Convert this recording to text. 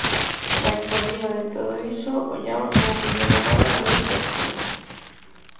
Mais por riba de todo iso ollamos unha muller humana e moi próxima.